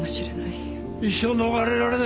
一生逃れられないね。